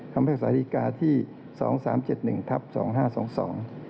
คำแพทย์สาธิกาที่สองสามเจ็ดหนึ่งทัพสองห้าสองสอง